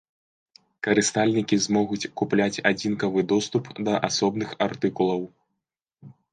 Карыстальнікі змогуць купляць адзінкавы доступ да асобных артыкулаў.